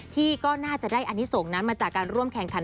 ที่ก็น่าจะได้อนิสงฆ์นั้นมาจากการร่วมแข่งขัน